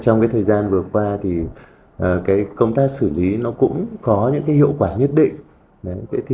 trong thời gian vừa qua công tác xử lý cũng có những hiệu quả nhất định